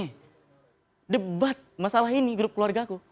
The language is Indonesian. eh debat masalah ini grup keluarga aku